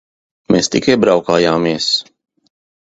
Mēs tikai braukājāmies.